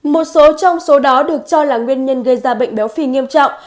một số trong số đó được cho là nguyên nhân gây ra bệnh béo phì nghiêm trọng